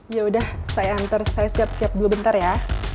ya udah saya antar saya siap siap dulu bentar ya